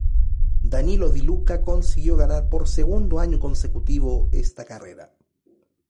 Danilo Di Luca consiguió ganar por segundo año consecutivo esta carrera.